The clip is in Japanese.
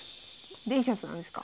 デリシャスなんですか？